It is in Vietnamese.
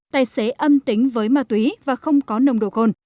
tài xế âm tính với ma túy và không có nồng độ cồn